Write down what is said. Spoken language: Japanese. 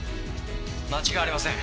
間違いありません。